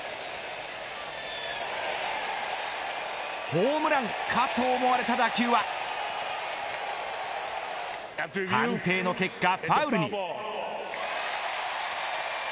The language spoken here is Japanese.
ホームランかと思われた打球は判定の結果ファウルに。